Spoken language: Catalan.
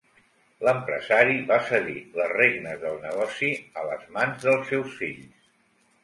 L'empresari va cedir les regnes del negoci a les mans dels seus fills.